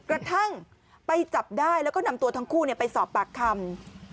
กระทั่งไปจับได้แล้วก็นำตัวทั้งคู่ไปสอบปากคำ